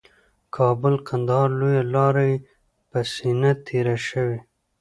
کابل قندهار لویه لاره یې په سینه تېره شوې